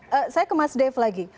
baik saya ke mas dev lagi